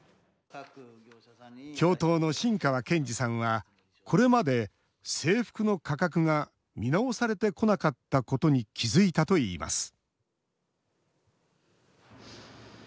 教頭の新川健二さんはこれまで制服の価格が見直されてこなかったことに気付いたといいます